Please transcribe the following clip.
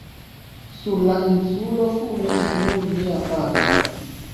Sur la Insulo fumis nur mia patro.